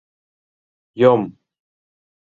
Йом!